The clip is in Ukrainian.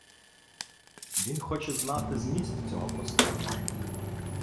Він хоче знати зміст цього послання.